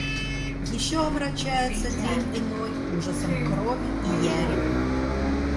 Еще омрачается день иной ужасом крови и яри.